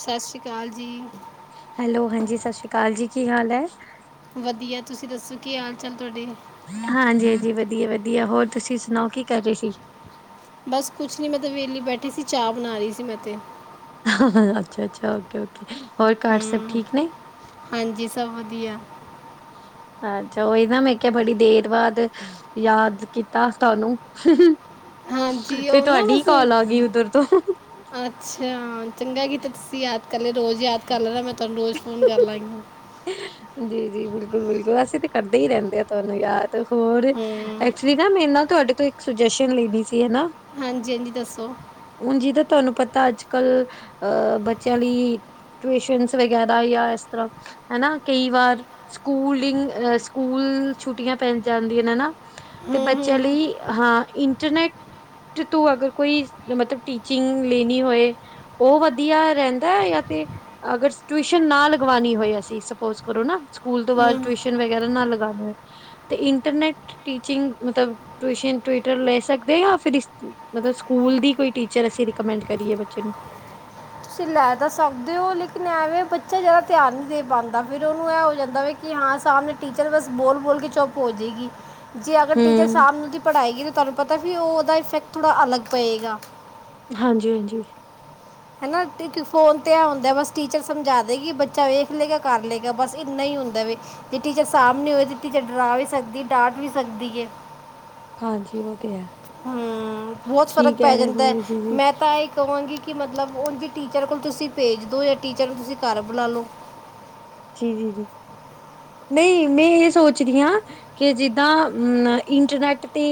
ਸਤਿ ਸ੍ਰੀ ਅਕਾਲ ਜੀ। ਹੈਲੋ ਹਾਂਜੀ ਸਤਿ ਸ਼੍ਰੀ ਅਕਾਲ ਜੀ ਕੀ ਹਾਲ ਐ। ਵਧੀਆ ਤੁਸੀਂ ਦੱਸੋ ਕੀ ਹਾਲ ਚਾਲ ਤੁਹਾਡੇ ਹਾਂਜੀ-ਹਾਂਜੀ ਵਧੀਆ-ਵਧੀਆ ਹੋਰ ਤੁਸੀਂ ਸੁਣਾਓ ਕੀ ਕਰ ਰਹੇ ਸੀ। ਬਸ ਕੁਛ ਨੀ ਮੈ ਤੇ ਵੇਲੀ ਬੈਠੀ ਸੀ, ਚਾ ਬਨਾ ਰੀ ਸੀ ਮੈ ਤੇ [inaudible] ਅੱਛਾ-ਅੱਛਾ ਓਕੇ- ਓਕੇ ਹੋਰ ਘਰ ਸਭ ਹੂੰ ਠੀਕ ਨੇ ਹਾਂਜੀ ਸਭ ਵਧੀਆ ਅੱਛਾ ਓਈ ਨਾ ਮੈ ਕਿਹਾ ਬੜੀ ਦੇਰ ਬਾਦ ਯਾਦ ਕੀਤਾ ਤਾਨੂੰ ਹਾਂਜੀ [inaudible] ਤੇ ਉਹ ਨਾ ਤੁਆਡੀ ਈ ਬਸ ਕੋਲ ਆ ਗਈ ਉੱਧਰ ਤੋ [inaudible] ਅੱਛਾ ਚੰਗਾ ਕੀਤਾ ਤੁਸੀ ਯਾਦ ਕੱਲੇ ਰੋਜ਼ ਯਾਦ ਕਰ ਲੈਨਾ ਮੈਂ ਤੁਆਨੂੰ ਰੋਜ਼ ਫੋਨ ਕਰ ਲਾਂਗੀ। ਜੀ- ਜੀ ਬਿਲਕੁਲ- ਬਿਲਕੁਲ ਅਸੀ ਤੇ ਕਰਦੇ ਈ ਰੈਂਦੇ ਆਂ ਤੁਆਨੂੰ ਯਾਦ ਤੇ ਹੋਰ ਹੂੰ ਐਕਚੁਲੀ ਨਾ ਮੈਨੂੰ ਨਾ ਤੁਆਡੇ ਤੋ ਇੱਕ ਸੁਜੈਸ਼ਨ ਲੇਨੀ ਸੀ ਹਨਾ। ਹਾਂਜੀ-ਹਾਂਜੀ ਦੱਸੋ। ਹੁਨ ਜਿੱਦਾ ਤੁਆਨੂੰ ਪਤਾ ਅੱਜ-ਕੱਲ ਅ ਬੱਚਯਾ ਲਈ ਟਿਊਸ਼ਨ ਵਗੈਰਾ ਯਾ ਐਸ ਤਰਾ ਹਨਾ ਕਈ ਵਾਰ ਸਕੂਲਿੰਗ ਸਕੂਲ ਛੁੱਟੀਆਂ ਪੈ ਜਾਂਦੀਆਂ ਨੇ ਹਨਾ। ਤੇ ਹੂੰ ਹੂੰ ਬੱਚਯਾ ਲਈ ਹਾਂ ਇੰਟਰਨੈਟ ਤੂੰ ਅਗਰ ਕੋਈ ਮਤਲਬ ਟੀਚਿੰਗ ਲੇਨੀ ਹੋਏ। ਓ ਵਦੀਆ ਰੈਂਦਾ ਐ ਯਾ ਤੇ ਅਗਰ ਟਿਊਸ਼ਨ ਨਾ ਲਗਵਾਨੀ ਹੋਏ ਅਸੀ ਸਪੋਜ ਕਰੋ ਨਾ ਸਕੂਲ ਤੋ ਬਾਦ ਹੂੰ ਟਵੀਸ਼ਨ ਵਗੈਰਾ ਨਾ ਲਗਾਨੇ ਹੋਏ ਤੇ ਇੰਟਰਨੈਟ ਟੀਚਿੰਗ ਮਤਲਬ ਟਵੀਸ਼ਨ ਟਵਿਟਰ ਲੈ ਸਕਦੇ ਯਾ ਫਿਰ ਇਸ ਮਤਲਬ ਸਕੂਲ ਦੀ ਕੋਈ ਟੀਚਰ ਅਸੀ ਰਿਕਮੈਂਡ ਕਰੀਏ ਬੱਚੇ ਨੂੰ ਤੁਸੀਂ ਲੈ ਤਾ ਸਕਦੇ ਹੋ ਲੇਕਿਨ ਐਵੇਂ ਬੱਚਾ ਜਾਦਾ ਧਿਆਨ ਨੀ ਦੇ ਪਾਂਦਾ ਫੇਰ ਓਨੂੰ ਐ ਹੋ ਜਾਂਦਾ ਵੀ ਕਿ ਹਾਂ ਸਾਮਨੇ ਟੀਚਰ ਬਸ ਬੋਲ-ਬੋਲ ਕੇ ਚੁਪ ਹੋਜੇਗੀ। ਜੇ ਅਗਰ ਟੀਚਰ ਹੂੰ ਸਾਮਨੋ ਦੀ ਪੜਾਏਗੀ ਤਾ ਤਾਨੂੰ ਪਤਾ ਫਿਰ ਓਦਾ ਇਫੈਕਟ ਥੋੜਾ ਅਲਗ ਪਏਗਾ। ਹਾਂਜੀ- ਹਾਂਜੀ। ਹੈਨਾ ਫੋਨ ਤੇ ਐ ਹੁੰਦਾ ਬਸ ਟੀਚਰ ਸਮਝਾ ਦੇਗੀ ਬੱਚਾ ਵੇਖ ਲੇਗਾ ਕਰ ਲੇਗਾ ਬਸ ਇੰਨਾ ਈ ਹੁੰਦਾ ਵੇ। ਜੇ ਟੀਚਰ ਸਾਮਨੇ ਹੋਏ ਤੇ ਟੀਚਰ ਡਰਾ ਵੀ ਸਕਦੀ ਡਾਟ ਵੀ ਸਕਦੀ ਏ। ਹਾਂਜੀ ਓ ਤੇ ਹੈ। ਹੂੰ ਬੋਤ ਫ਼ਰਕ ਠੀਕ ਹੈ ਪੈ ਜਾਂਦੈ ਜੀ ਮੈ ਜੀ ਤਾ ਇੱਕ ਕਹਾਂਗੀ ਕਿ ਮਤਲਬ ਉਂਜ ਟੀਚਰ ਕੋਲ ਤੁਸੀ ਭੇਜ ਦੋ ਯਾ ਟੀਚਰ ਨੂੰ ਤੁਸੀ ਘਰ ਬੁਲਾ ਲੋ। ਜੀ- ਜੀ- ਜੀ ਨਈ ਮੈ ਏ ਸੋਚ ਰੀ ਆਂ। ਕੇ ਜਿੱਦਾਂ ਇੰਟਰਨੈਟ ਤੇ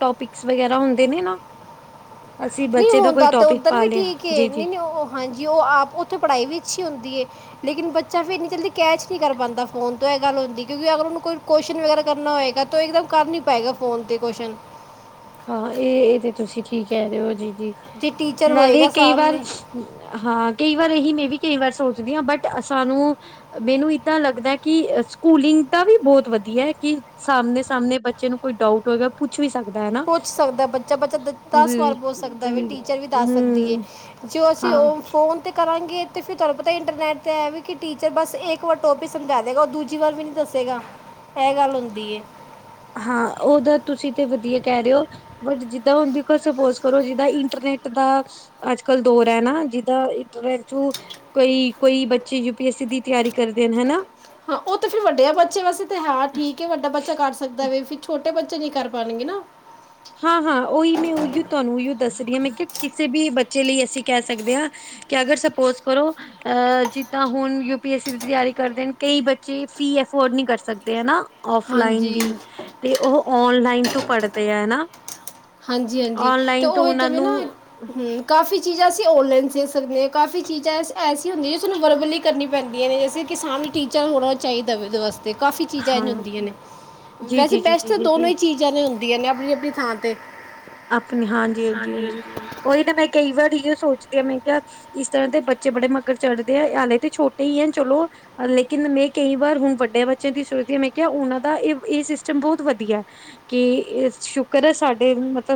ਟੋਪਿਕਸ ਵਗੈਰਾ ਹੁੰਦੇ ਨੇ ਨਾ [inaudible] ਅਸੀਂ ਨਈ ਬੱਚੇ ਦਾ ਕੋਈ ਹੁੰਦਾ ਤਾ ਟੋਪਿਕ ਓੱਧਰ ਪਾ ਵੀ ਲਿਆ ਠੀਕ ਏ ਜੀ ਨਈ ਜੀ ਨਈ ਓ ਹਾਂਜੀ ਓ ਆਪ ਉਥੇ ਪੜਾਈ ਵੀ ਅੱਛੀ ਹੁੰਦੀ ਏ। ਲੇਕਿਨ ਬੱਚਾ ਫੇਰ ਏਨੀ ਜਲਦੀ ਕੈਚ ਨੀ ਕਾਰ ਪਾਂਦਾ ਫੋਨ ਤੋ ਏ ਗੱਲ ਹੁੰਦੀ ਕਿਉਂਕਿ ਅਗਰ ਉਹਨੂੰ ਕੋਈ ਕੁਸ਼ਚਨ ਵਗੈਰਾ ਕਰਨਾ ਹੋਏਗਾ ਤਾਂ ਉਹ ਇੱਕਦਮ ਕਰਨਾ ਪਏਗਾ ਫੋਨ 'ਤੇ ਕੁਸ਼ਚਨ ਹਾਂ ਇਹ ਇਹ ਤੇ ਤੁਸੀਂ ਠੀਕ ਕਹਿ ਰਹੇ ਹੋ ਜੀ -ਜੀ ਜੇ ਟੀਚਰ ਨਾਲ਼ੇ ਹੋਏਗਾ ਕਈ ਵਾਰ ਸਾਹਮਣੇ [inaudible] ਹਾਂ ਕਈ ਵਾਰ ਇਹੀ ਮੈਂ ਵੀ ਕਈ ਵਾਰ ਸੋਚਦੀ ਹਾਂ ਬਟ ਸਾਨੂੰ ਮੈਨੂੰ ਏਦਾਂ ਲੱਗਦਾ ਕਿ ਸਕੂਲਿੰਗ ਦਾ ਵੀ ਬਹੁਤ ਵਧੀਆ ਹੈ ਕਿ ਸਾਮਣੇ-ਸਾਮਣੇ ਬੱਚੇ ਨੂੰ ਕੋਈ ਡਾਊਟ ਹੋਏਗਾ ਪੁੱਛ ਵੀ ਸਕਦਾ ਏ ਨਾ। ਪੁੱਛ ਸਕਦਾ ਬੱਚਾ -ਬੱਚਾ ਦ ਦਸ ਵਾਰ ਪੁੱਛ ਸਕਦਾ ਵੇ ਟੀਚਰ ਵੀ ਦੱਸ ਸਕਦੀ ਏ। ਹਮ ਜੋ ਅਸੀਂ ਹਾਂ ਉਹ ਫੋਨ ਤੇ ਕਰਾਂਗੇ ਤੇ ਫਿਰ ਤੁਹਾਨੂੰ ਪਤਾ ਇੰਟਰਨੈਟ ਇਹ ਤੇ ਹੈ ਵੀ ਕਿ ਟੀਚਰ ਬਸ ਇੱਕ ਵਾਰ ਟੋਪਿਕ ਸਮਝਾ ਦੇਗਾ ਦੂਜੀ ਵਾਰ ਵੀ ਨਹੀਂ ਦਸ ਸੀਗਾ ਇਹ ਗੱਲ ਹੁੰਦੀ ਹੈ। ਹਾਂ ਉਹਦਾ ਤੁਸੀਂ ਤੇ ਵਧੀਆ ਕਹਿ ਰਹੇ ਹੋ। ਬਟ ਜਿੱਦਾਂ ਹੁਣ ਦੇਖੋ ਸਪੋਜ ਕਰੋ ਜਿੱਦਾਂ ਇੰਟਰਨੈਟ ਦਾ ਅੱਜ ਕੱਲ ਦੌਰ ਹੈ ਨਾ ਜਿੱਦਾਂ ਇੰਟਰਨੈਟ 'ਚੋ ਕੋਈ-ਕੋਈ ਬੱਚੇ ਯੂ ਪੀ ਐਸ ਸੀ ਦੀ ਤਿਆਰੀ ਕਰਦੇ ਨੇ ਹਨਾ ਹਾਂ, ਓ ਤੇ ਫੇਰ ਵੱਡਯਾ ਬੱਚੇ ਵਾਸਤੇ ਤਾ ਹੈ ਠੀਕ ਏ, ਵੱਡਾ ਬੱਚਾ ਕਰ ਸਕਦਾ ਵੇ, ਫਿਰ ਛੋਟੇ ਬੱ ਚੇ ਨੀ ਕਰ ਪਾਣਗੇ ਨਾ ਹਾਂ-ਹਾਂ ਓਈ ਮੈਂ ਓਈਓ ਤੁਆਨੂੰ ਉਈਓ ਦੱਸ ਰੀ ਆਂ ਮੈਂ ਕਿ ਕਿਸੇ ਵੀ ਬੱਚੇ ਲਈ ਅਸੀ ਕੈ ਸਕਦੇ ਆਂ ਕਿ ਅਗਰ ਸਪੋਜ ਕਰੋ ਅਹ ਜਿੱਦਾਂ ਹੁਣ ਯੂ ਪੀ ਐਸ ਸੀ ਦੀ ਤਿਆਰੀ ਕਰਦੇ ਨੇ ਬੱਚੇ ਫੀ ਅਫੋਰਡ ਨਹੀਂ ਕਰ ਸਕਦੇ ਹਨਾ- ਔਫਲਾਈਨ ਹਾਂਜੀ ਵੀ ਤੇ ਉਹ ਔਨਲਾਈਨ ਤੋਂ ਪੜ੍ਹਦੇ ਏ ਨਾ। ਹਾਂਜੀ-ਹਾਂਜੀ ਤੇ ਉਵੇਂ ਉਹਨਾਂ ਤਵੇਂ ਨੂੰ ਨਾ। ਹੂੰ ਕਾਫ਼ੀ ਚੀਜ਼ਾਂ ਅਸੀ ਔਨਲਾਈਨ ਦੇਖ ਸਕਦੇ ਹਾਂ ਕਾਫ਼ੀ ਚੀਜ਼ਾਂ ਐਸੀ ਹੁੰਦੀਆਂ ਜੋ ਸਾਨੂੰ ਵਰਬਲੀ ਕਰਨੀਆਂ ਪੈਂਦੀਆਂ ਨੇ ਜੈਸੇ ਕਿ ਸਾਨੂੰ ਟੀਚਰ ਹੋਣਾ ਚਾਹੀਦਾ ਉਹਦੇ ਵਾਸਤੇ। ਕਾਫੀ ਚੀਜ਼ਾਂ ਹਾਂ ਇਹ ਹੁੰਦੀਆਂ ਵੈਸੇ ਬੈਸਟ ਤਾਂ ਜੀ-ਜੀ-ਜੀ-ਜੀ-ਜੀ-ਜੀ ਦੋਨੋਂ ਹੀ ਚੀ ਜਾਂ ਹੁੰਦੀਆਂ ਨੇ ਅਪਣੀ-ਅਪਣੀ ਥਾਂ ਤੇ। ਅਪਣੀ ਹਾਂਜੀ ਹਾਂਜੀ ਹਾਂਜੀ-ਹਾਂਜੀ-ਹਾਂਜੀ। ਉਹੀ ਤੇ ਮੈਂ ਕਈ ਵਾਰੀ ਇਹੀ ਸੋਚਦੀ ਆ ਮੈਂ ਕਿਹਾ ਅ ਇਸ ਤਰ੍ਹਾਂ ਦੇ ਬੱਚੇ ਬੜੇ ਮਗਰ ਚੜ੍ਹਦੇ ਆ ਆਲੇ ਤੇ ਛੋਟੇ ਈ ਐ ਚਲੋ ਅਰ ਲੇਕਿਨ ਮੈਂ ਕਈ ਵਾਰ ਹੁਣ ਵੱਡਿਆਂ ਬੱਚਿਆਂ ਦੀ ਸੋਚਦੀ ਹਾਂ ਮੈਂ ਕਿਹਾ ਉਹਨਾਂ ਦਾ ਇਹ ਇਹ ਸਿਸਟਮ ਬਹੁਤ ਵਧੀਆ। ਕਿ ਸ਼ੁਕਰ ਹੈ ਸਾਡੇ ਮਤ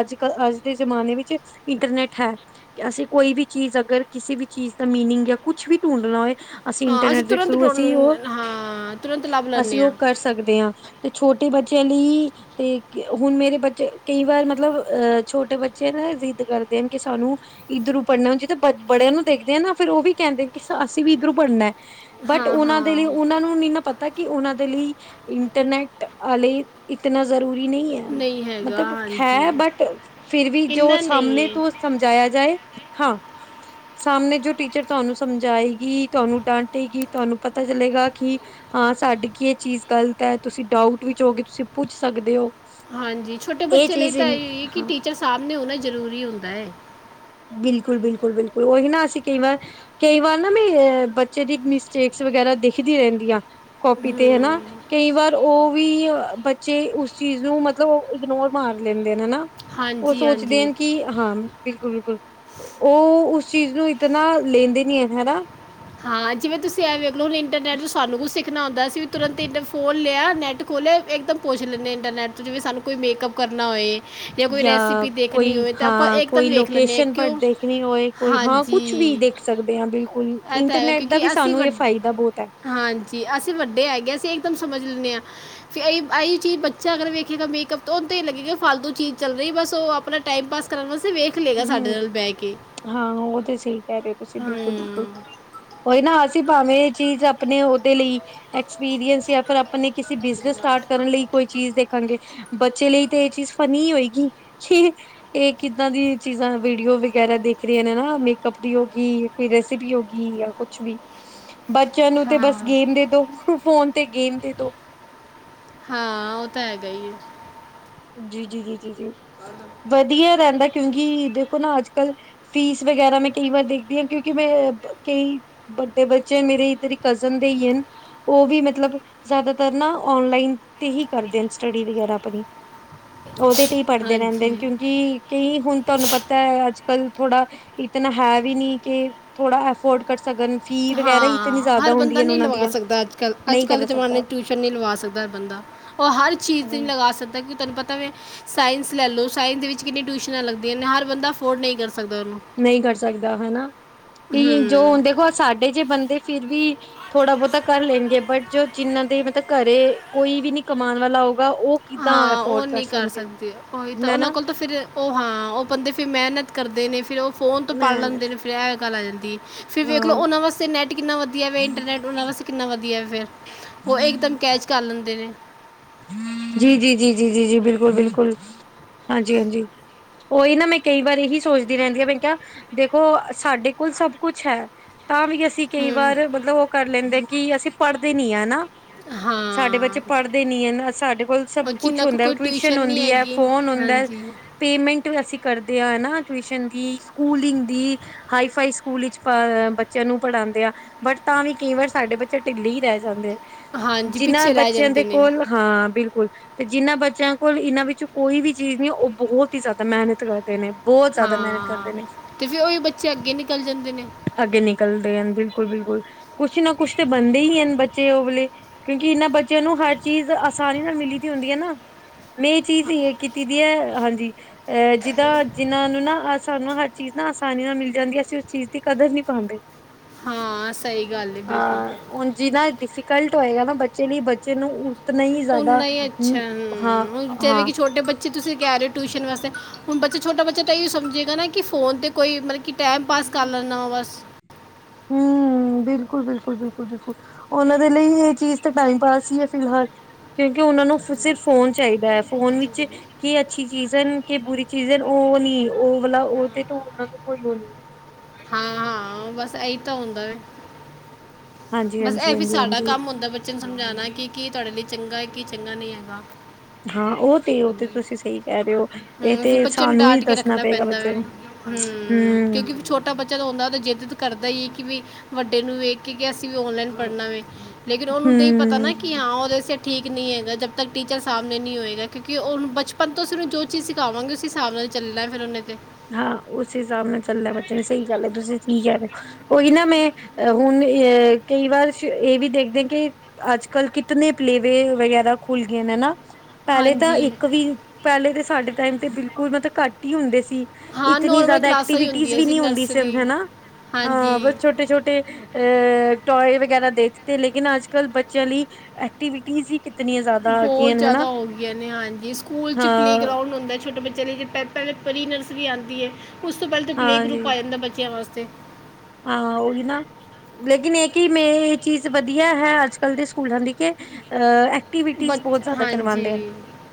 ਅੱਜ-ਕੱਲ ਅੱਜ ਦੇ ਜਮਾਨੇ ਵਿੱਚ ਇੰਟਰਨੈਟ ਹੈ। ਕਿ ਅਸੀਂ ਕੋਈ ਵੀ ਚੀਜ਼ ਅਗਰ ਕਿਸੇ ਵੀ ਚੀਜ਼ ਦਾ ਮੀਨਿੰਗ ਜਾਂ ਕੁਛ ਵੀ ਢੂੰਡਣਾ ਹੋਏ- ਅਸੀਂ ਹਾਂ ਇੰਟਰਨੈਟ ਦੇ ਤੁਰੰਤ ਥਰੂ ਅਸੀਂ ਉਹ ਡੋਨ- ਹਾਂ ਤੁਰੰਤ ਲੱਭ ਅਸੀਂ ਲੈਂਦੇ ਹਾਂ ਉਹ ਕਰ। ਸਕਦੇ ਹਾਂ ਤੇ ਛੋਟੇ ਬੱਚਿਆਂ ਲਈ ਤੇ ਹੁਣ ਮੇਰੇ ਬੱਚੇ ਕਈ ਵਾਰ ਮਤਲਬ ਅਹ ਛੋਟੇ ਬੱਚੇ ਨਾ ਇਹ ਜ਼ਿੱਦ ਕਰਦੇ ਨੇ ਕਿ ਸਾਨੂੰ ਇੱਧਰੋਂ ਪੜ੍ਹਨਾ ਹੁਣ ਜਿਹਦੇ ਬੜਿਆਂ ਨੂੰ ਦੇਖਦੇ ਆ ਨਾ ਫੇਰ ਉਹ ਵੀ ਕਹਿੰਦੇ ਨੇ ਕਿ ਅਸੀਂ ਵੀ ਇੱਧਰੋਂ ਪੜ੍ਹਨਾ। ਬਟ ਹਾਂ ਉਹਨਾਂ ਦੇ ਲਈ ਹਾਂ ਉਹਨਾਂ ਨੂੰ ਨਹੀਂ ਨਾ ਪਤਾ ਕਿ ਉਹਨਾਂ ਦੇ ਲਈ ਇੰਟਰਨੈਟ ਅਲ਼ੇ ਇਤਨਾ ਜ਼ਰੂਰੀ ਨਹੀਂ ਐ ਹੈਗਾ ਮਤਲਬ ਹਾਂਜੀ ਹੈ ਬਟ ਫਿਰ ਵੀ ਜੋ ਇੰਨਾ ਨਹੀਂ ਸਾਮਣੇ ਹੈ ਤੋਂ ਸਮਝਾਇਆ ਜਾਏ ਹਾਂ। ਸਾਮਣੇ ਜੋ ਟੀਚਰ ਤੁਹਾਨੂੰ ਸਮਝਾਏਗੀ ਤੁਹਾਨੂੰ ਡਾਂਟੇਗੀ ਤੁਹਾਨੂੰ ਪਤਾ ਚਲੇਗਾ ਕਿ ਹਾਂ ਸਾਡੀ ਕੇ ਚੀਜ਼ ਗ਼ਲਤ ਹੈ। ਤੁਸੀਂ ਡਾਊਟ ਵਿੱਚ ਹੋਗੇ ਤੁਸੀਂ ਪੁੱਛ ਸਕਦੇ ਹੋ। ਹਾਂਜੀ ਛੋਟੇ ਇਹ ਬੱਚੇ ਲਈ ਚੀਜ਼ ਤਾਂ ਅਇ ਓ ਏ ਕਿ ਹਾਂ ਟੀਚਰ ਸਾਮਣੇ ਹੋਣਾ ਜ਼ਰੂਰੀ ਹੁੰਦਾ ਏ। ਬਿਲਕੁਲ-ਬਿਲਕੁਲ-ਬਿਲਕੁਲ ਉਹੀ ਨਾ ਅਸੀਂ ਕਈ ਵਾਰ ਕਈ ਵਾਰ ਨਾ ਮੈਂ ਅਹ ਬੱਚੇ ਦੀ ਮਿਸਟੇਕਸ ਵਗੈਰਾ ਦੇਖਦੀ ਰਹਿੰਦੀ ਆ। ਕਾੱਪੀ ਤੇ ਹੈਨਾ। ਕਈ ਵਾਰ ਉਹ ਵੀ ਬੱਚੇ ਉਸ ਚੀਜ਼ ਨੂੰ ਮਤਲਬ ਉਹ ਇਗਨੋਰ ਮਾਰ ਲੈਂਦੇ ਨੇ ਨਾ ਉਹ ਹਾਂਜੀ ਸੋਚਦੇ ਹਾਂਜੀ ਨੇ ਕਿ ਹਾਂ- ਬਿਲਕੁਲ-ਬਿਲਕੁਲ ਉਹ ਉਸ ਚੀਜ਼ ਨੂੰ ਇਤਨਾ ਲੈਂਦੇ ਨੀ ਹਨ ਹਨਾ। ਹਾਂ ਜਿਵੇਂ ਤੁਸੀਂ ਇਹ ਵੇਖਲੋ ਇੰਟਰਨੈੱਟ ਤੋਂ ਸਾਨੂੰ ਵੀ ਸਿਖਣਾ ਹੁੰਦਾ ਅਸੀਂ ਵੀ ਤੁਰੰਤ ਇੰਨੇ ਫੋਨ ਲਿਆ ਨੈੱਟ ਖੋਲ੍ਹਿਆ ਇੱਕਦਮ ਪੁੱਛ ਲੈਂਦੇ ਨੇ ਇੰਟਰਨੈੱਟ ਤੋਂ ਜਿਵੇਂ ਸਾਨੂੰ ਜਿਵੇਂ ਕਰਨਾ ਹੋਏ। ਜਾਂ ਕੋਈ ਯਾਂ, ਰੈਸਿਪੀ ਦੇਖਣੀ ਕੋਈ ਹੋਏ ਤਾਂ ਆਪਾਂ ਹਾਂ ਕੋਈ ਇੱਕਦਮ ਵੇਖ ਲੈਂਦੇ ਹਾਂ ਲੋਕੇਸ਼ਨ ਪਰ ਕਿਉਂ ਦੇਖਨੀ ਹੋਏ ਕੋਈ ਹਾਂ, ਹਾਂਜੀ ਕੁਛ ਵੀ ਦੇਖ ਸਕਦੇ ਹਾਂ ਬਿਲਕੁਲ ਇਹ ਤਾਂ ਹੈਗਾ ਇੰਟਰਨੈਟ ਦਾ ਵੀ ਕਿਉਂਕਿ ਅਸੀਂ ਸਾਨੂੰ ਏ ਵੱਡ ਫਾਈਦਾ ਬੋਤ ਐ। ਹਾਂਜੀ, ਅਸੀ ਵੱਡੇ ਹੈਗੇ ਅਸੀ ਏਕਦਮ ਸਮਝ ਲੈਂਨੇ ਆਂ। ਆਹੀ ਚੀਜ਼ ਬੱਚਾ ਅਗਰ ਵੇਖੇਗਾ ਮੇਕਅਪ ਓਨੂੰ ਤੇ ਏਈ ਲੱਗੇਗਾ ਫਾਲਤੂ ਚੀਜ਼ ਚੱਲ ਰਈ ਬਸ ਓ ਆਪਣਾ ਟਾਈਮ ਪਾਸ ਕਰਨ ਵਾਸਤੇ ਵੇ। ਹੂੰ ਹਾਂ ਓ ਤਾਂ ਸਈ ਕਹਿ ਰਹੇ ਓ ਤੁਸੀਂ ਹਾਂ ਬਿਲਕੁਲ-ਬਿਲਕੁਲ। ਨਾ ਅਸੀਂ ਭਾਵੇਂ ਏ ਚੀਜ਼ ਆਪਣੇ ਓਦੇ ਲਈ ਐਕਸਪੀਰੀਅੰਸ ਜਾਂ ਫਿਰ ਆਪਣੇ ਕਿਸੀ ਬ ਜੇ ਸਟਾਰਟ ਕਰਨ ਲਈ ਕੋਈ ਚੀਜ਼ ਦੇਖਣਗੇ ਬੱਚੇ ਲਈ ਤੇ ਏਹ ਚੀਜ਼ ਫਨੀ ਈ ਹੋਏਗੀ ਕਿ ਏ ਕਿੱਦਾਂ ਦੀ ਚੀਜ਼ਾਂ ਵੀਡੀਓ ਵਗੈਰਾ ਦਿਖ ਰਹੀਆਂ ਨੇ ਨਾ ਮੇਕਅਪ ਦੀ ਹੋ ਗਈ ਕੋਈ ਰੈਸਪੀ ਹੋ ਗਈ ਯਾਂ ਕੁਛ ਵੀ [inaudible] ਬੱਚਿਆਂ ਨੂੰ ਤੇ ਬਸ ਹਾਂ ਗੇਮ ਦੇ ਦੋ ਫੋਨ ਤੇ ਗੇਮ ਦੇ ਦੋ। ਹਾਂ ਉਹ ਤਾ ਹੈਗਾ ਈ ਏ। ਜੀ-ਜੀ-ਜੀ-ਜੀ-ਜੀ ਵਧੀਆ ਰਹਿੰਦਾ ਕਿਉਂਕੀ ਦੇਖੋ ਨਾ ਅੱਜ-ਕੱਲ ਫੀਸ ਵਗੈਰਾ ਮੈਂ ਕਈ ਵਾਰ ਦੇਖਦੀ ਹਾਂ ਕਿਉਂਕਿ ਮੈਂ ਕਈ ਵੱਡੇ ਬੱਚੇ ਮੇਰੇ ਇੱਧਰ ਕਜ਼ਨ ਦੇ‌ ਈ ਹਨ। ਉਹ ਵੀ ਮਤਲਬ ਜ਼ਿਆਦਾਤਰ ਨਾ ਓਨਲਾਈਨ ਤੇ ਹੀ ਕਰਦੇ ਨੇ ਸਟੱਡੀ ਵਗੈਰਾ ਅਪਣੀ। ਉਹਦੇ ਤੇ ਹੀ ਪੜ੍ਹਦੇ ਰਹਿੰਦੇ ਨੇ ਹਾਂਜੀ ਕਿਉਂਕਿ ਕਈ ਹੁਣ ਤੁਹਾਨੂੰ ਪਤਾ ਤੇ ਅੱਜ ਕੱਲ ਥੋੜਾ ਇਤਨਾ ਹੈ ਵੀ ਨਹੀਂ ਕਿ ਥੋੜਾ ਐਫੋਰਡ ਕਰ ਸਕਣ ਫੀ ਵਗੈਰਾ ਇਤਨੀ ਹਾਂ, ਜ਼ਿਆਦਾ ਹਰ ਬੰਦਾ ਹੁੰਦੀਆਂ ਨੇ ਨਹੀਂ ਉਹਨਾਂ ਲਵਾ ਦੀਆਂ ਸਕਦਾ। ਅੱਜ-ਕੱਲ, ਨਹੀਂ ਅੱਜ-ਕੱਲ ਦੇ ਕਰ ਜ਼ਮਾਨੇ। ਸਕਦਾ ਨਹੀਂ ਲਵਾ ਸਕਦਾ ਬੰਦਾ, ਉਹ ਹਰ ਚੀਜ਼ ਨੀ ਲਗਾ ਸਕਦਾ ਕਿ ਤੁਹਾਨੂੰ ਪਤਾ। [unintelligible] ਸਾਇਂਸ ਲੈਲੋ, ਸਾਇਂਸ ਦੇ ਵਿੱਚ ਕਿੰਨੀ ਟੂਸ਼ਨਾਂ ਲੱਗਦੀਆਂ ਨੇ ਹਾੱਰ ਬੰਦਾ ਅਫੋਡ ਨਈ ਕਰ ਸਕਦਾ ਓਨੂੰ ਨਈ ਕਰ ਸਕਦਾ ਹਨਾ, ਕਿ ਜੋ ਹੂੰ ਦੇਖੋ ਸਾਡੇ ਜੇ ਬੰਦੇ ਫਿਰ ਵੀ ਥੋੜਾ ਬੋਤਾ ਕਰ ਲੈਣਗੇ ਬਟ ਜੋ ਜਿੰਨਾਂ ਦੇ ਮਤਲਬ ਘਰੇ ਕੋਈ ਵੀ ਨੀ ਕਮਾਣ ਵਾਲਾ ਹੋਊਗਾ ਓ ਹਾਂ ਓ ਨਹੀਂ ਕਰ ਸਕਦੇ ਉਈ ਤਾਂ ਮੈਂ ਓਨਾਂ ਨਾ ਕੋਲ ਤਾਂ ਫਿਰ ਓ ਹਾਂ ਓ ਬੰਦੇ ਫਿਰ ਮਿਹਨਤ ਕਰਦੇ ਨੇ ਫਿਰ ਓ ਫੋਨ ਤੋਂ ਪੜ ਲੈਂਦੇ ਮਿਹਨਤ ਨੇ ਫਿਰ ਏਹ ਗੱਲ ਆ ਜਾਂਦੀ। ਫਿਰ ਵੇਖਲੋ ਹਾਂ ਓਨਾ ਵਾਸਤੇ ਨੈਟ ਕਿੰਨਾ ਵਦੀਆ ਵੇ, ਇੰਟਰਨੈਟ ਓਨਾ ਵਾਸਤੇ ਕਿੰਨਾ ਵਦੀਆ ਵੇਂ ਫਿਰ। ਓ ਇਕ-ਦਮ ਕੈਚ ਕਰ ਲੈਂਦੇ ਨੇ। ਜੀ-ਜੀ-ਜੀ-ਜੀ-ਜੀ-ਜੀ ਬਿਲਕੁਲ-ਬਿਲਕੁਲ ਹਾਂਜੀ-ਹਾਂਜੀ। ਓਈ ਨਾ ਮੈਂ ਕਈ ਵਾਰ ਏਹੀ ਸੋਚਦੀ ਰਹਿੰਦੀ ਆ ਮੈਂ ਕਿਹਾ ਦੇਖੋ ਸਾਡੇ ਕੋਲ ਸਭ ਕੁਛ ਹੈ। ਤਾਂ ਵੀ ਅਸੀਂ ਕਈ ਹੂੰ ਵਾਰ ਮਤਲਬ ਓਹੋ ਕਰ ਲੈਂਦੇ ਕੀ ਅਸੀਂ ਪੜ੍ਹਦੇ ਨੀ ਆ। ਸਾਡੇ ਹਾਂ ਬੱਚੇ ਪੜ੍ਹ ਦਿੱਨੀ ਆ ਇਨਾ ਸਾਡੇ ਕੋਲ ਸਭ ਉਹ ਕੁਛ ਜਿੰਨਾ ਕੁ ਹੁੰਦਾ ਕੋਈ ਟਿਊਸ਼ਨ ਨਹੀਂ ਹੁੰਦੀ ਏ ਹੈਗੀ ਫੋਨ ਹੁੰਦਾ। ਹਾਂਜੀ ਪੇਮੈਂਟ ਵੀ ਅਸੀਂ ਕਰਦੇ ਆਂ ਨਾ, ਟਿਊਸ਼ਨ ਦੀ ਸਕੂਲਿੰਗ ਦੀ? ਹਾਈ-ਫਾਈ ਸਕੂਲ ਵਿੱਚ ਪ, ਬੱਚਿਆਂ ਨੂੰ ਪੜਾਂਦੇ ਆ। ਬਟ ਤਾਂ ਵੀ ਕਈ ਵਾਰ ਸਾਡੇ ਬੱਚੇ ਢਿੱਲੇ ਈ ਰਹਿ ਜਾਂਦੇ। ਹਾਂਜੀ ਜਿਨਾਂ ਪਿੱਛੇ ਰਹੇ ਬੱਚਿਆਂ ਦੇ ਜਾਂਦੇ ਨੇ। ਕੋਲ ਹਾਂ ਬਿਲਕੁਲ ਤੇ ਜਿਨ੍ਹਾਂ ਬੱਚਿਆਂ ਕੋਲ ਇਨਾਂ ਵਿੱਚੋ ਕੋਈ ਵੀ ਚੀਜ਼ ਨੀ ਓ ਬਹੁਤ ਈ ਜਿਅਦਾ ਮੇਹਨਤ ਕਰਦ ਦੇ ਨੇ ਬੋਤ ਜਿਅਦਾ ਮੇਹਨਤ ਕਰਦੇ ਹਾਂ ਨੇ। ਤੇ ਫਿਰ ਉਹੀ ਬੱਚੇ ਅੱਗੇ ਨਿਕਲ ਜਾਂਦੇ ਨੇ ਅੱਗੇ ਨਿਕਲਦੇ ਹਨ ਬਿਲਕੁਲ-ਬਿਲਕੁਲ ਕੁਛ ਨਾ ਕੁਛ ਤੇ ਬਣਦੇ ਹੀ ਹਨ ਬੱਚੇ ਓ ਵਲੇ ਕਿਉਂਕੀ ਇਨਾਂ ਬੱਚਿਆਂ ਨੂੰ ਹ ਚੀਜ਼ ਆਸਾਨੀ ਨਾਲ ਮਿਲੀ ਦੀ ਹੁੰਦੀ ਹੈ ਨਾ ਮੈਂ ਇਹ ਚੀਜ਼ ਕੀਤੀ ਦੀ ਏ ਹਾਂਜੀ। ਐ ਜਿਦਾਂ ਜਿਨਾਂ ਨੂੰ ਨਾ ਆ ਸਾਨੂੰ ਹ ਚੀਜ ਨਾ ਆਸਾਨੀ ਨਾਲ ਮਿਲ ਜਾਦੀ ਐ ਅਸੀਂ ਉਸ ਚੀਜ ਦੀ ਕਦਰ ਨੀ ਪਾਂਦੇ। ਹਾਂ, ਸਹੀ ਗੱਲ ਏ ਬਿਲਕੁਲ। ਹੁਣ ਜਿਨਾ ਡਿਫੀਕਲਟ ਹੋਏਗਾ ਨਾ ਬੱਚੇ ਲਈ ਬੱਚੇ ਨੂੰ ਨਹੀਂ ਜ਼ਿਆਦਾ ਉਨਾ ਹੀ ਹੂ ਹਾਂ ਹਾਂ। ਜੀ ਤੁਸੀ ਕਹਿ ਰਹੇ ਟਿਊਸ਼ਨ ਵਾਸਤੇ। ਹੁਣ ਬੱਚਾ, ਛੋਟਾ ਬੱਚਾ ਤਾਂ ਇਹ ਸਮਝੇਗਾ ਨਾ? ਕੀ ਫ਼ੋਨ 'ਤੇ ਕੋਈ ਮਤਲਬ ਕਿ ਟੈਮ ਪਾਸ ਕਰ ਲੈਣਾ ਵਾ ਬਸ। ਹੂੰ ਬਿਲਕੁਲ- ਬਿਲਕੁਲ-ਬਿਲਕੁਲ-ਬਿਲਕੁਲ। ਉਹਨਾਂ ਦੇ ਲਈ ਇਹ ਚੀਜ਼ ਤਾਂ ਟਾਈਮ ਪਾਸ ਹੀ ਹੈ, ਫਿਲਹਾਲ ਕਿਉਂਕਿ ਉਹਨਾਂ ਨੂੰ ਸਿਰਫ ਫੋਨ ਚਾਹੀਦਾ ਅ। ਫੋਨ ਵਿੱਚ ਕੇ ਅੱਛੀ ਚੀਜ਼ ਐ, ਕੇ ਬੁਰੀ ਚੀਜ਼ ਹੈ, ਉਹ ਨੀ ਉਹ ਵਾਲਾ ਉਹਦੇ ਉਹਨਾਂ ਨੂੰ ਕੋਈ ਉਹ ਨੀ ਹੈ। ਹਾਂ- ਹਾਂ ਬਸ ਇਹੀ ਤਾਂ ਹੁੰਦਾ ਵੇਖ ਹਾਂਜੀ ਬਸ ਹਾਂਜੀ ਇਹ ਵੀ ਹਾਂਜੀ ਸਾਡਾ ਹਾਂਜੀ ਕੰਮ ਹੁੰਦਾ- ਬੱਚੇ ਨੂੰ ਸਮਝਾਣਾ ਕਿ ਕੀ ਤੁਹਾਡੇ ਲਈ ਚੰਗਾ, ਕੀ ਚੰਗਾ ਨਹੀਂ ਹੈਗਾ। ਹਾਂ, ਉਹ ਤੇ, ਉਹ ਤੇ ਤੁਸੀਂ ਸਹੀ ਕਹਿ ਰਹੇ ਓ। ਹਮ, ਫਿਰ ਬੱਚੇ ਨੂੰ ਡਾਟ ਕੇ ਰੱਖਣਾ ਪੈਂਦਾ ਬੱਚੇ ਵੇ, ਨੂੰ ਹਮ ਕਿਉਂਕਿ ਛੋਟੇ ਛੋਟਾ ਬੱਚਾ ਰੋਂਦਾ ਤਾਂ ਜਿੱਦ ਕਰਦਾ ਹੀ, ਕਿ ਵੀ ਵੱਡੇ ਨੂੰ ਵੇਖ ਕੇ ਅਸੀਂ ਵੀ ਓਨਲਾਈਨ ਪੜ੍ਹਨਾ ਵੇ ਲੇਕਿਨ, ਉਹਨੂੰ ਨਹੀਂ ਪਤਾ ਹਮ ਨਾ ਕਿ, ਹਾਂ ਉਹਦੇ ਠੀਕ ਨਹੀਂ ਹੈਗਾ, ਜਦ ਤੱਕ ਟੀਚਰ ਸਾਹਮਣੇ ਨਹੀਂ ਹੋਏਗਾ ਕਿਉਂਕਿ ਉਹ ਬਚਪਨ ਤੋਂ ਉਸ ਨੂੰ ਜੋ ਚੀਜ ਸਖਾਵਾਂਗੇ, ਉਸੇ ਹਿਸਾਬ ਨਾਲ ਚੱਲਣਾ ਫੇਰ ਉਹਨੇ ਤੇ ਹਾਂ ਉਸੇ ਹਿਸਾਬ ਨਾਲ ਚੱਲਣਾ ਬੱਚੇ ਨੇ ਸਹੀ ਗੱਲ ਹੈ, ਤੁਸੀਂ ਠੀਕ ਕਹਿ ਰੇ ਹੋ! ਓਈ ਨਾ ਮੈਂ ਹੁਨ ਏ ਕਈ ਵਾਰ ਇਹ ਵੀ ਦੇਖਦੇ ਕਿ ਅੱਜ ਕੱਲ ਕਿਤਨੇ ਪਲੇਵੇ ਵਗੈਰਾ ਖੁੱਲ ਗਏ ਨੇ ਨਾ। ਪਹਿਲੇ ਤਾਂ ਹਾਂਜੀ ਇੱਕ ਵੀ ਪਹਿਲੇ ਤੇ ਸਾਡੇ ਟਾਈਮ ਤੇ ਬਿਲਕੁਲ ਮਤਲਬ ਘੱਟ ਹੀ ਹੁੰਦੇ ਸੀ। ਹਾਂ ਇਤਨੀ ਨੋਰਮਲ ਜ਼ਿਆਦਾ ਕਲਾਸਾਂ ਹੀ ਐਕਟੀਵਿਟੀਜ ਹੁੰਦੀਆਂ ਵੀ ਨੀ ਹੁੰਦੀ ਸੀ ਨਰਸਰੀ ਹਨਾ ਹਾਂ ਹਾਂਜੀ ਬਸ ਛੋਟੇ-ਛੋਟੇ ਐ ਟੋਏ ਵਗੈਰਾ ਦੇ ਦਿੱਤੇ, ਲੇਕਿਨ ਅੱਜ-ਕੱਲ ਬੱਚਿਆਂ ਲਈ ਐਕਟੀਵਿਟੀ ਕਿਤਨੀਆਂ ਬਹੁਤ ਜ਼ਿਆਦਾ ਹੋ ਗਈਆਂ ਨੇ ਹਾਂਜੀ, ਸਕੂਲ ਚ ਪਲੇਅ ਗਰਾਉਂਡ ਹੁੰਦਾ ਛੋਟੇ ਬੱਚਿਆਂ ਲਈ ਜੇ ਪ ਪਹਿਲਾਂ ਪ੍ਰੀ-ਨਰਸਰੀ ਆਂਦੀ ਏ, ਉਸ ਤੋਂ ਪਹਿਲਾਂ ਤਾਂ ਪਲੇਅ-ਗਰੁੱਪ ਆ ਜਾਂਦਾ ਏ। ਬਚਿਆਂ ਵਾਸਤੇ ਹਾਂ, ਓਹੀ ਨਾ ਲੇਕਿਨ ਇਹ ਕਿ, ਮੇ ਇਹ ਚੀਜ਼ ਵਧੀਆ ਹੈ। ਅੱਜ-ਕੱਲ੍ਹ ਦੇ ਸਕੂਲਾਂ ਦੀ, ਕਿ ਅ ਏ ਬ ਹਾਂਜੀ,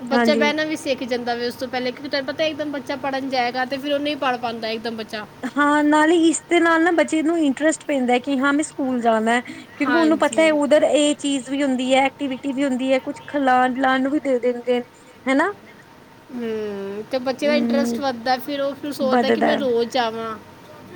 ਬੱਚਾ ਹਾਂਜੀ ਬਹਿਣਾ ਵੀ ਸਿੱਖ ਜਾਂਦਾ ਵੇ ਉਸ ਤੋਂ ਪਹਿਲਾਂ ਕਿਉਂਕਿ ਤੈਨੂੰ ਪਤਾ ਇੱਕਦਮ ਬੱਚਾ ਪੜ੍ਹਨ ਜਾਏਗਾ, ਤੇ ਫਿਰ ਉਹ ਨਹੀਂ ਪੜ੍ਹ ਪਾਉਂਦਾ ਇੱਕਦਮ ਬੱਚਾ। ਹਾਂ, ਨਾਲੇ ਇਸਦੇ ਨਾਲ ਨਾ ਬੱਚੇ ਨੂੰ ਇੰਟਰਸਟ ਪੈਂਦਾ ਏ ਕਿ ਹਾਂ, ਮੈਂ ਸਕੂਲ ਜਾਣਾ। ਕਿਉਂਕਿ ਉਹਨੂੰ ਪਤਾ ਹਾਂਜੀ ਹੈ ਉਧਰ ਏ ਚੀਜ਼ ਵੀ ਹੁੰਦੀ ਐ, ਐਕਟੀਵਿਟੀ ਵੀ ਹੁੰਦੀ ਐ, ਕੁਛ ਖਲਾਣ ਪਲਾਨ ਨੁ ਵੀ ਦੇ ਦਿੰਦੇ, ਹੈਨਾ ਹਮ, ਤੇ ਬੱਚੇ ਦਾ ਇੰਟਰਸਟ ਹਮ ਵੱਧਦਾ, ਫਿਰ ਉਹ ਫ ਸੋਚਦਾ ਕਿ ਵੱਧਦਾ ਮੈਂ ਹੈ। ਰੋਜ਼ ਜਾਵਾਂ।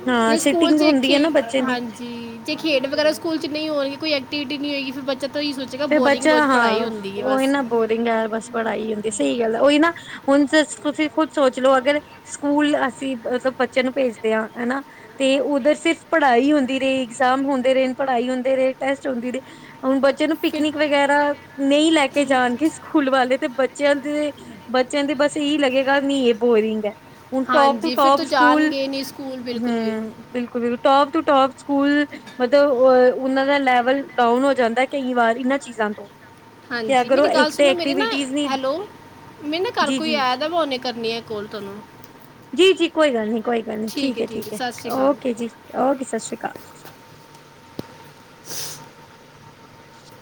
ਹਾਂ ਜੇ ਸਕੂਲ ਸਿਟਿੰਗ ਚ ਹੁੰਦੀ ਹੈ ਇੱਕਖੇ, ਨਾ ਬੱਚੇ ਦੀ ਹਾਂਜੀ। ਜੇ ਖੇਡ ਵਗੈਰਾ ਸਕੂਲ ਚ ਨਹੀਂ ਹੋਣਗੇ, ਕੋਈ ਐਕਟੀਵਿਟੀ ਨਹੀਂ ਹੋਗੀ, ਫਿਰ ਬੱਚਾ ਤਾਂ ਹੀ ਸੋਚ ਫੇਿਰ ਬੱਚਾ ਹਾਂ, ਓਹੀ ਨਾ ਬੋਰਿੰਗ ਹੈ! ਬਸ ਪੜ੍ਹਾਈ ਹੁੰਦੀ ਸਹੀ ਗੱਲ ਹੈ, ਉਹੀ ਨਾ ਹੁਣ ਤੁਸੀਂ ਖੁਦ ਸੋਚ ਲਓ ਅਗਰ ਸਕੂਲ ਅਸੀਂ ਮਤਲਬ ਬੱਚਿਆਂ ਨੂੰ ਭੇਜਦੇ ਹਾਂ! ਹਨਾ ਤੇ ਉੱਧਰ ਸਿਰਫ ਪੜ੍ਹਾਈ ਹੁੰਦੀ ਰਹੀ, ਇਗਜ਼ਾਮ ਹੁੰਦੇ ਰਹੇ, ਪੜ੍ਹਾਈ ਹੁੰਦੇ ਰਹੇ, ਟੈਸਟ ਹੁੰਦੀ ਰ ਹੁਣ ਬੱਚਿਆਂ ਨੂੰ ਫਿਰ ਪਿਕਨਿਕ ਵਗੈਰਾ ਨਹੀਂ ਲੈ ਕੇ ਜਾਣਗੇ ਸਕੂਲ ਵਾਲੇ ਤੇ ਬੱਚਿਆਂ ਦੇ ਬੱਚਿਆਂ ਤੇ ਬਸ ਇਹੀ ਲੱਗੇਗਾ ਨੀ ਇਹ ਬੋਰਿੰਗ ਹੈ! ਹੁਣ ਟੋਪ ਟੂ ਹਾਂਜੀ ਫਿਰ ਟੋਪ ਤੋਂ ਸਕੂਲ, ਜਾਣਗੇ ਨਹੀਂ ਸਕੂਲ ਬਿਲਕੁਲ ਵੀ ਹਮ ਬਿਲਕੁਲ, ਬਿਲਕੁਲ, ਟੋਪ ਟੂ ਟੋਪ ਸਕੂਲ ਮਤਲਬ ਅ ਉਹਨਾਂ ਦਾ ਲੈਵਲ ਡਾਊਨ ਹੋ ਜਾਂਦਾ ਕਈ ਵਾਰ ਇਹਨਾਂ ਚੀਜ਼ਾਂ ਤੋਂ ਕਿ ਹਾਂਜੀ! ਅਗਰ ਉਹ ਮੇਰੀ ਗੱਲ ਇੱਕ ਤੇ ਸੁਣੋ, ਮੇਰੇ ਨਾ ਐਕਟੀਵਿਟੀਜ਼ ਨੀ ਹੈਲੋ! ਮੈ ਨਾ ਘਰ ਕੋਈ ਜੀ-ਜੀ, ਆਏ ਦਾ, ਮੈਂ ਹੁਣੇ ਕਰਨੀ ਆ ਕੋਲ ਤੁਹਨੂੰ ਜੀ! ਜੀ! ਕੋਈ ਗੱਲ ਨੀ, ਕੋਈ ਗੱਲ ਨੀ, ਠੀਕ ਹੈ, ਠੀਕ ਹੈ, ਸਤਿ ਸ਼੍ਰੀ ਅਕਾਲ ਓਕੇ ਜੀ, ਓਕੇ! ਸਤਿ ਸ੍ਰੀ ਅਕਾਲ [inaudible]